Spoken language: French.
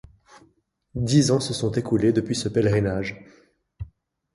Dix ans se sont écoulés depuis ce pèlerinage.